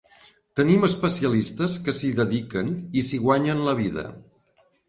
Tenim especialistes que s’hi dediquen i s’hi guanyen la vida.